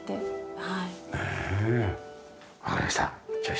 はい。